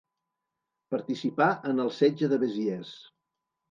Participà en el setge de Besiers.